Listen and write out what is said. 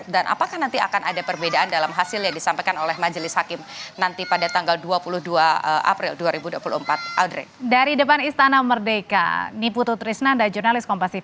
dan apakah nanti akan ada perbedaan dalam hasil yang disampaikan oleh majelis hakim nanti pada tanggal dua puluh dua april dua ribu dua puluh empat